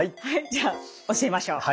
じゃあ教えましょう。